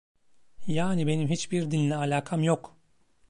Yani benim hiçbir dinle alakam yok!